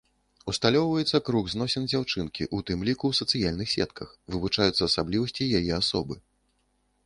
Усталёўваецца круг зносін дзяўчынкі, у тым ліку, у сацыяльных сетках, вывучаюцца асаблівасці яе асобы.